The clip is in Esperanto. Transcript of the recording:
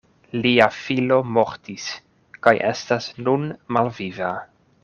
Lia filo mortis kaj estas nun malviva.